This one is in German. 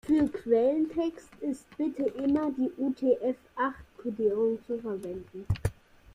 Für Quelltext ist bitte immer die UTF-acht-Kodierung zu verwenden.